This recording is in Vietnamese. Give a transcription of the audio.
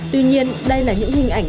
tuy nhiên đây là những hình ảnh